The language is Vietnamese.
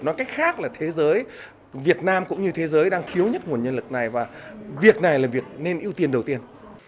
nói cách khác là thế giới việt nam cũng như thế giới đang thiếu nhất nguồn nhân lực này và việc này là việc nên ưu tiên đầu tiên